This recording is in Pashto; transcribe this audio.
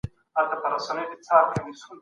علم تر ټولو غوره تخم دی.